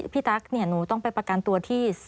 ตั๊กหนูต้องไปประกันตัวที่